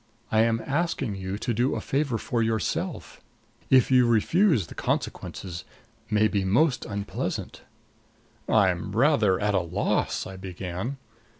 "I am asking you to do a favor for yourself. If you refuse the consequences may be most unpleasant." "I'm rather at a loss " I began.